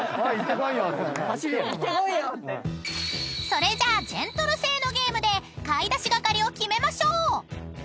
［それじゃあジェントルせーのゲームで買い出し係を決めましょう！］